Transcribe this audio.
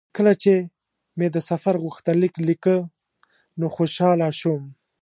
کله چې مې د سفر غوښتنلیک لیکه نو خوشاله شوم.